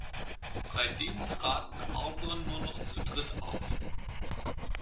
Seitdem traten Arson nur noch zu dritt auf.